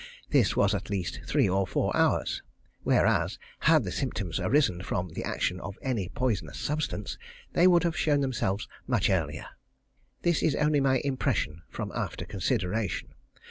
This was at least three or four hours; whereas, had the symptoms arisen from the action of any poisonous substance, they would have shown themselves much earlier. This is only my impression from after consideration.